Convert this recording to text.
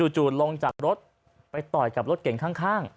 จู่ลงจากรถไปต่อยกับรถเก่งข้าง